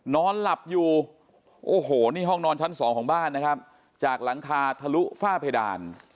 นอนหลับอยู่โอ้โหนี่ห้องนอนชั้นสองของบ้านนะครับจากหลังคาทะลุฝ้าเพดาน